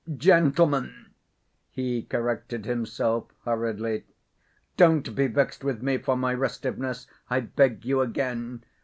"Gentlemen!"—he corrected himself hurriedly—"don't be vexed with me for my restiveness, I beg you again.